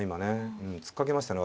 うん突っかけましたね